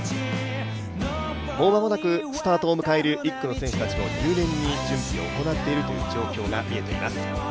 もう間もなくスタートを迎える１区の選手たちも入念に準備を行っている状況が見てとれます。